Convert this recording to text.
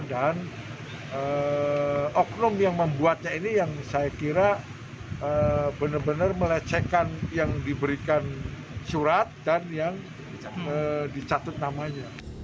dan oknum yang membuatnya ini yang saya kira benar benar melecehkan yang diberikan surat dan yang dicatut namanya